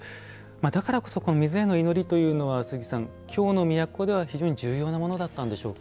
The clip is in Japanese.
だからこそ水への祈りというのは鈴木さん、京の都では非常に重要なものだったんでしょうか。